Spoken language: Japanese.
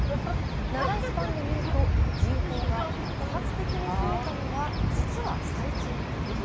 長いスパンで見ると人口が爆発的に増えたのは実は最近のこと。